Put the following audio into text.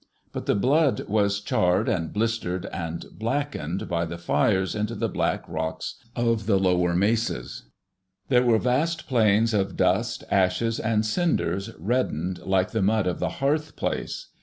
But the blood was charred and blistered and blackened by the fires into the black rocks of the lower mesas(2). There were vast plains of dust, ashes, and cinders, reddened like the mud of the hearth place.